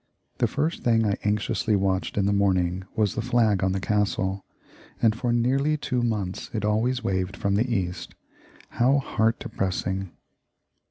The first thing I anxiously watched in the morning was the flag on the Castle; and for nearly two months it always waved from the east. How heart depressing!